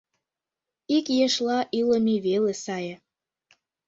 Ик ешла илыме веле сае.